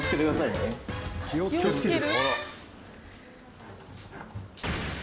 気を付ける？